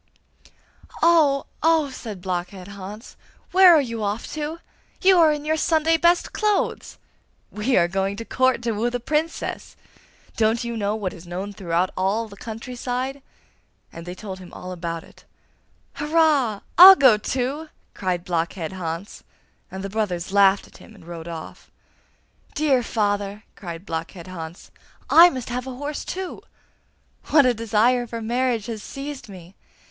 'Oh, oh!' said Blockhead Hans. 'Where are you off to? You are in your Sunday best clothes!' 'We are going to Court, to woo the Princess! Don't you know what is known throughout all the country side?' And they told him all about it. 'Hurrah! I'll go to!' cried Blockhead Hans; and the brothers laughed at him and rode off. 'Dear father!' cried Blockhead Hans, 'I must have a horse too. What a desire for marriage has seized me!